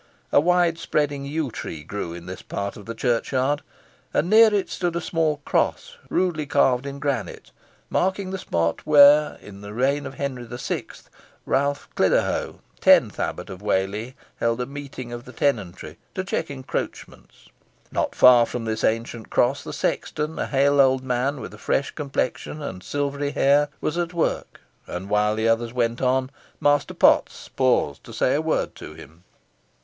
A wide spreading yew tree grew in this part of the churchyard, and near it stood a small cross rudely carved in granite, marking the spot where, in the reign of Henry VI., Ralph Cliderhow, tenth abbot of Whalley, held a meeting of the tenantry, to check encroachments. Not far from this ancient cross the sexton, a hale old man, with a fresh complexion and silvery hair, was at work, and while the others went on, Master Potts paused to say a word to him.